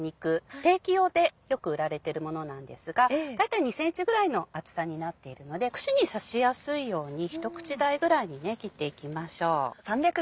ステーキ用でよく売られてるものなんですが大体２ｃｍぐらいの厚さになっているので串に刺しやすいように一口大ぐらいに切っていきましょう。